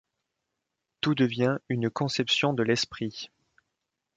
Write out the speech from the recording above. Tout devient « une conception de l’esprit ».